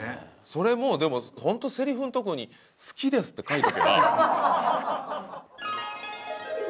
それもうでもホントセリフのとこに「好きです」って書いとけば。